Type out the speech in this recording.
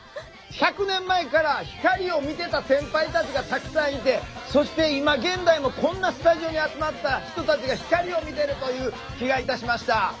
１００年前から光を見てた先輩たちがたくさんいてそして今現代もこんなスタジオに集まった人たちが光を見てるという気がいたしました。